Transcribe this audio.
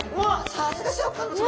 さすがシャーク香音さま。